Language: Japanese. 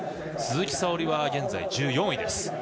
鈴木沙織は現在、１４位です。